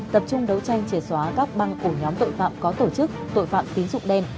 tập trung đấu tranh triệt xóa các băng ổ nhóm tội phạm có tổ chức tội phạm tín dụng đen